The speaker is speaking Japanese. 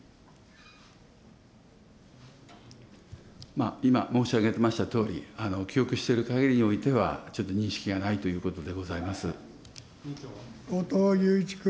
まあ、今申し上げましたとおり、記憶してるかぎりにおいては、ちょっと認識がないということでご後藤祐一君。